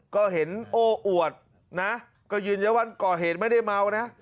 ก็เห็นโอ้อวดนะก็ยืนยันว่าก่อเหตุไม่ได้เมานะ